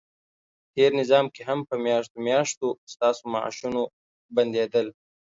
تېر نظام کې هم په میاشتو میاشتو ستاسو معاشونه بندیدل،